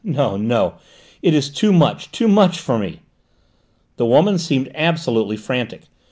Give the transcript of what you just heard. No, no! It is too much, too much for me!" The woman seemed absolutely frantic.